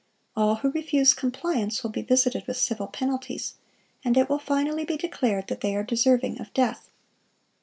All who refuse compliance will be visited with civil penalties, and it will finally be declared that they are deserving of death.